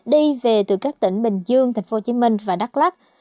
đi về từ các tỉnh bình dương tp hcm và đắk lắc